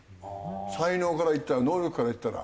才能から言ったら能力から言ったら。